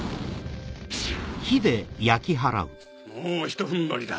もうひとふんばりだ。